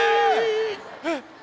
えっ？